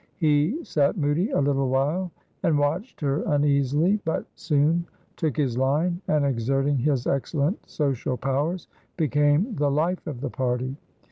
He sat moody a little while and watched her uneasily, but soon took his line, and exerting his excellent social powers became the life of the party.